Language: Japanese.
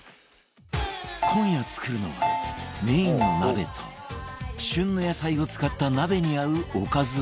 今夜作るのはメインの鍋と旬の野菜を使った鍋に合うおかず２品